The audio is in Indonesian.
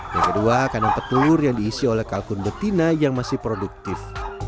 yang kedua kandang petelur yang diisi oleh kalkun betina yang masih produktif